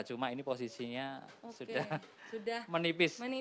cuma ini posisinya sudah menipis